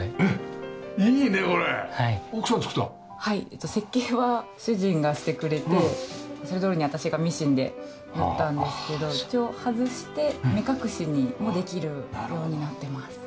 えっと設計は主人がしてくれてそれどおりに私がミシンで縫ったんですけど一応外して目隠しにもできるようになってます。